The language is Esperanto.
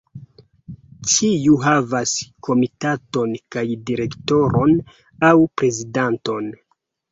Ĉiu havas komitaton kaj direktoron aŭ prezidanton.